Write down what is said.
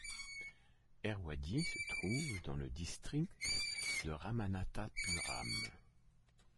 Erwadi se trouve dans le district de Ramanathapuram.